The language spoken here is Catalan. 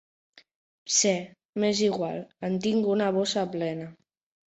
Pse, m'és igual, en tinc una bossa plena.